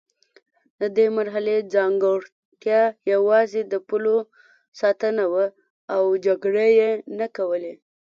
د دې مرحلې ځانګړتیا یوازې د پولو ساتنه وه او جګړې یې نه کولې.